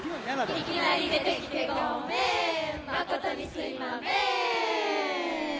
「いきなり出てきてごめんまことにすいまめん」